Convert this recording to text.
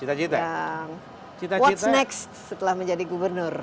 apa yang akan berlaku setelah menjadi gubernur